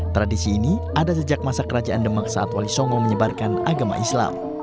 tradisi ini ada sejak masa kerajaan demak saat wali songo menyebarkan agama islam